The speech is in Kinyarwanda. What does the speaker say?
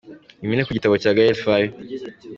Impine ku gitabo cya Gaël Faye.